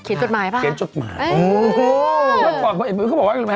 เขียนจดหมายปะครับอืม